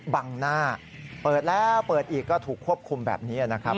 ถ้าเปิดอีกก็ถูกควบคุมแบบนี้นะครับ